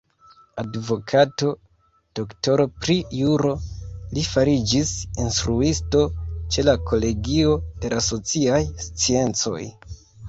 Advokato, doktoro pri juro, li fariĝis instruisto ĉe la kolegio de la sociaj sciencoj.